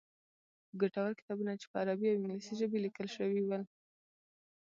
ګټور کتابونه چې په عربي او انګلیسي ژبې لیکل شوي ول.